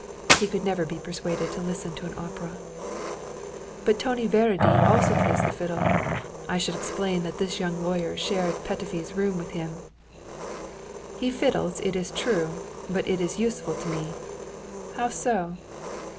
(He could never be persuaded to listen to an opera.) "But Tony Várady also plays the fiddle!" (I should explain that this young lawyer shared Petöfi's room with him.) "He fiddles, it is true, but it is useful to me." "How so?"